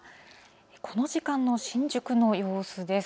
この時間の新宿の様子です。